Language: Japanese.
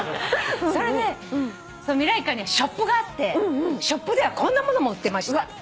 それで未来館にはショップがあってショップではこんなものも売ってました。